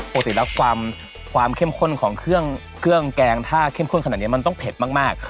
ปกติแล้วความเข้มข้นของเครื่องแกงถ้าเข้มข้นขนาดนี้มันต้องเผ็ดมาก